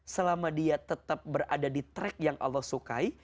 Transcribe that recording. selama dia tetap berada di track yang allah sukai